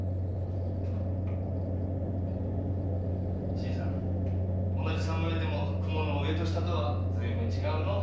新さん同じ侍でも雲の上と下とはずいぶん違うのう。